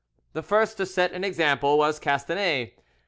The first to set an example was Castanet.